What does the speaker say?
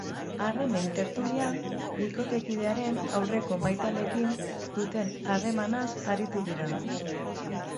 Harremanen tertulian, bikotekidearen aurreko maitaleekin duten harremanaz arituko dira.